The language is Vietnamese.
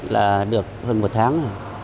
là được hơn một tháng